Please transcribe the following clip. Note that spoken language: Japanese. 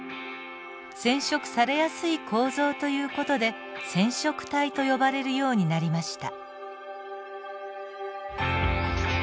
染色されやすい構造という事で染色体と呼ばれるようになりました。